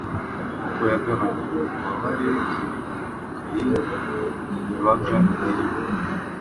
kuko yagabanyaga ububabare bitewe na cocaine yabaga irimo.